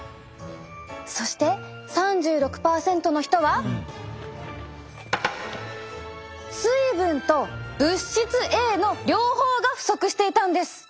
そして３６％の人は水分と物質Ａの両方が不足していたんです。